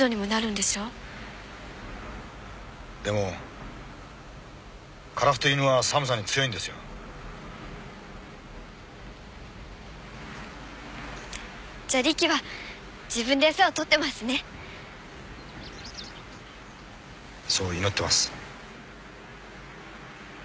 でも樺太犬は寒さに強いんですよじゃリキは自分でエサを取ってますねそう祈ってます